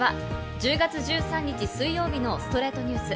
１０月１３日、水曜日の『ストレイトニュース』。